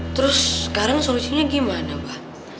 terus sekarang solusinya gimana pak